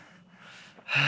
はあ。